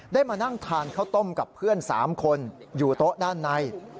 มานั่งทานข้าวต้มกับเพื่อน๓คนอยู่โต๊ะด้านใน